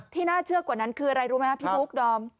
น่าเชื่อกว่านั้นคืออะไรรู้ไหมครับพี่บุ๊คดอม